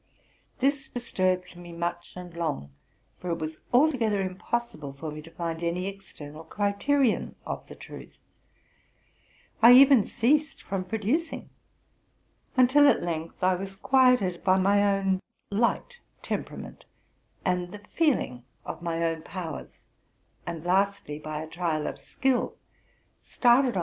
"This disturbed me much and long, for it was altogether impossible for me to find any external cri terion of "the truth: I even ceased from producing, until at length I was quieted by my own light temperament, and the feeling of my own powers, and lastly by a trial of skill, — started on.